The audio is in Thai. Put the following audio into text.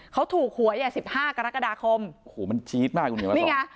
เขาถูกหัวอย่างสิบห้ากรกฎาคมโอ้โหมันนี่ไง